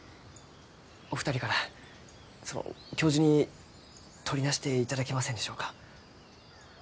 お二人からその教授にとりなしていただけませんでしょうか？